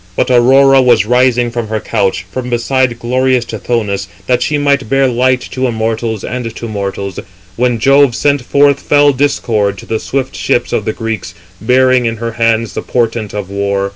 But Aurora was rising from her couch, from beside glorious Tithonus, that she might bear light to immortals and to mortals, when Jove sent forth fell Discord to the swift ships of the Greeks, bearing in her hands the portent of war.